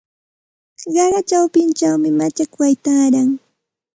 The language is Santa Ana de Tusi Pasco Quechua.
Qaqa chawpinchawmi machakway taaran.